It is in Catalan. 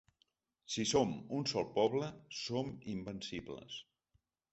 Si som un sol poble, som invencibles.